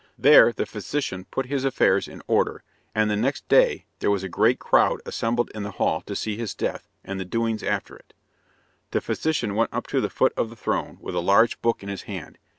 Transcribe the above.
There the physician put his affairs in order, and the next day there was a great crowd assembled in the hall to see his death, and the doings after it. The physician went up to the foot of the throne with a large book in his hand.